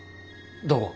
どこ？